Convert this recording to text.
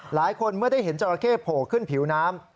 เมื่อได้เห็นจราเข้โผล่ขึ้นผิวน้ำ